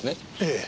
ええ。